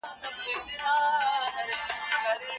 ځيني قرآني قصې اوږدې بيان سوي دي.